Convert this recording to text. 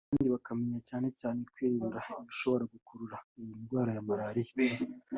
kandi bakamenya cyane cyane kwirinda ibishobora gukurura iyi ndwara ya malaria